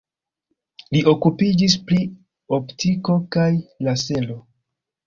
Li okupiĝis pri optiko kaj lasero.